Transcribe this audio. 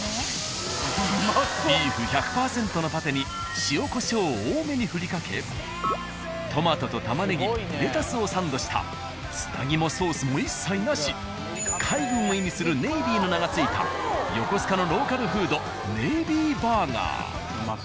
［ビーフ１００％のパテに塩コショウを多めに振りかけトマトとタマネギレタスをサンドしたつなぎもソースも一切なし海軍を意味するネイビーの名が付いた横須賀のローカルフードネイビーバーガー］